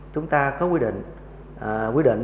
chúng ta có quy định